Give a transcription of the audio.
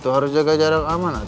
harus jaga jarak aman